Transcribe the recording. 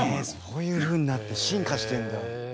そういうふうになって進化してるんだ。